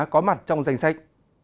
có mặt trong danh sách